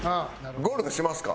ゴルフしますか？